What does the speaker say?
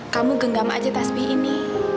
kamu genggam aja tasbih ini